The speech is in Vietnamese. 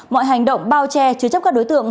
mọi hành động bao che chứa chấp các đối tượng